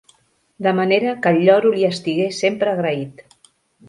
De manera que el lloro li estigué sempre agraït.